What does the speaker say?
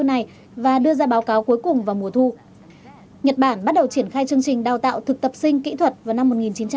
nhật bản bắt đầu triển khai chương trình đào tạo thực tập sinh kỹ thuật vào năm một nghìn chín trăm chín mươi ba